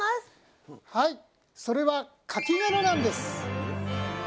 はいそれはかき殻なんです。